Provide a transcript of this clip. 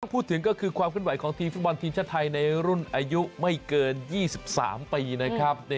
พูดถึงก็คือความขึ้นไหวของทีมฟุตบอลทีมชาติไทยในรุ่นอายุไม่เกิน๒๓ปีนะครับ